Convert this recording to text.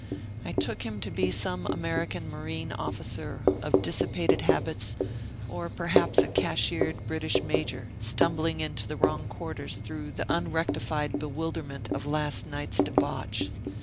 I took him to be some American marine officer, of dissipated habits, or perhaps a cashiered British major, stumbling into the wrong quarters through the unrectified bewilderment of last night's debauch.